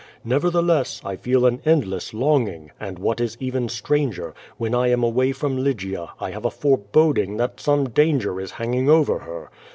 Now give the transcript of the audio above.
Nevertheless, 1 feel an end less longing, and what is even stranger, when 1 am away from Lygia 1 have a foreboding that some danger is hanging over her.